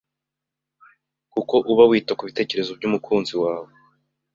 kuko uba wita ku bitekerezo by’umukunzi wawe